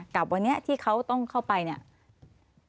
กับวันนี้ที่เขาต้องเข้าไปเนี่ย